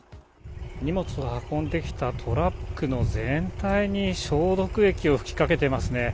荷物を運んできたトラックの全体に、消毒液を吹きかけていますね。